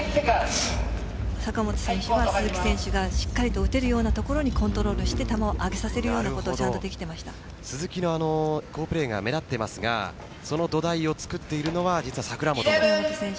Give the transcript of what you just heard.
鈴木選手がしっかりと打てるようなところにコントロールして球を上げさせるようなことが鈴木の好プレーが目立っていますがその土台を作っているのが櫻本選手。